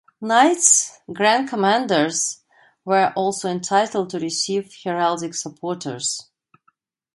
Knights Grand Commanders were also entitled to receive heraldic supporters.